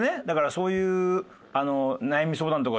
だからそういうあの。